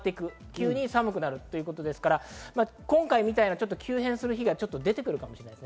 急に寒くなるということですから、今回みたいな急変する日が出てくるかもしれません。